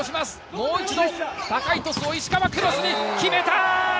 もう一度高いトスを石川、クロスで決めた！